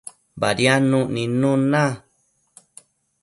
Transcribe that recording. Badiadnuc nidnun na